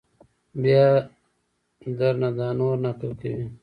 بیا در نه دا نور نقل کوي!